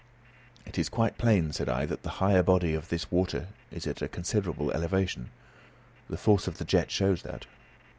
"It is quite plain," said I, "that the higher body of this water is at a considerable elevation. The force of the jet shows that."